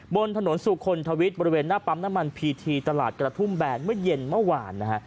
บนถนนสุคลทวิทย์บริเวณหน้าปั๊มน้ำมันพีทีตลาดกระทุ่มแบนเมื่อเย็นเมื่อวานนะฮะ